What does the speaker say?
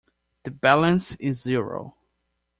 The balance is zero.